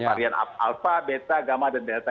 varian alpha beta gamma dan delta